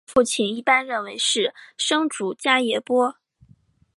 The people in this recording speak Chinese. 他们的父亲一般认为是生主迦叶波。